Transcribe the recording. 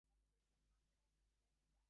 The bombardment was accordingly canceled.